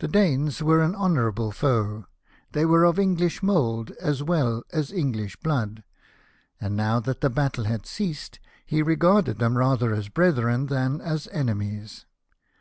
The Danes were an honourable foe ; they were of English mould as well as Enghsh blood ; and now that the battle had ceased, he regarded them rather as brethren than as enemies.